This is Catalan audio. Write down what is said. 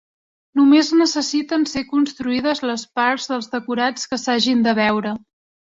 Només necessiten ser construïdes les parts dels decorats que s'hagin de veure.